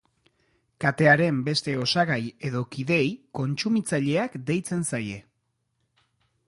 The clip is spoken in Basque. Katearen beste osagai edo kideei kontsumitzaileak deitzen zaie.